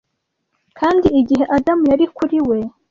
kandi igihe adamu yari kuri we